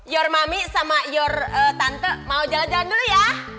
your mami sama your tante mau jalan jalan dulu ya